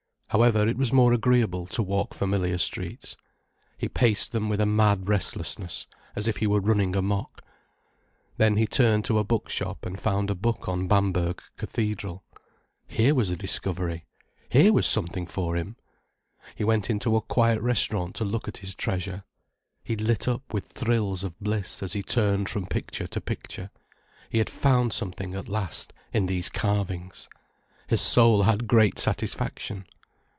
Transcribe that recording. However, it was more agreeable to walk familiar streets. He paced them with a mad restlessness, as if he were running amok. Then he turned to a book shop and found a book on Bamberg Cathedral. Here was a discovery! here was something for him! He went into a quiet restaurant to look at his treasure. He lit up with thrills of bliss as he turned from picture to picture. He had found something at last, in these carvings. His soul had great satisfaction.